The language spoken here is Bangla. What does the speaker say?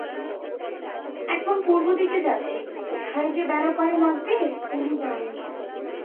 এখন পূর্বদিকে যাচ্ছি, কোথায় যে বেড়া পায়ে লাগবে, তিনি জানেন।